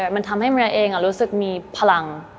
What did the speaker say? มันทำให้มารยาเองอ่ะรู้สึกมีพลัง